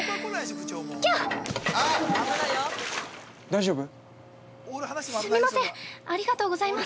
大丈夫？